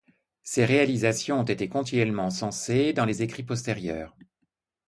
Ses réalisations ont été continuellement encensées dans les écrits postérieurs.